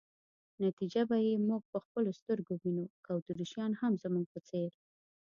نتیجه به یې موږ په خپلو سترګو وینو، که اتریشیان هم زموږ په څېر.